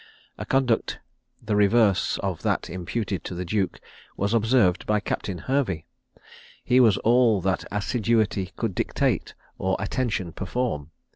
A conduct the reverse of that imputed to the duke was observed by Captain Hervey: he was all that assiduity could dictate or attention perform.